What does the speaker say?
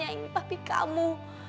jadi paper kamu